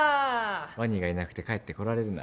ワニがいなくて帰ってこられるなら。